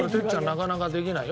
なかなかできないよ